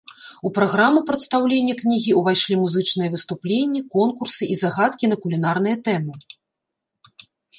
У праграму прадстаўлення кнігі ўвайшлі музычныя выступленні, конкурсы і загадкі на кулінарныя тэмы.